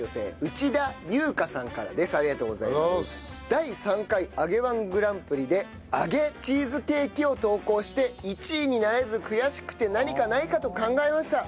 第３回揚げ−１グランプリで揚げチーズケーキを投稿して１位になれず悔しくて何かないかと考えました。